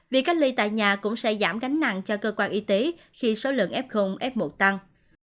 việc cách ly tại nhà cũng sẽ giảm gánh nặng cho cơ quan y tế khi số lượng f f một tăng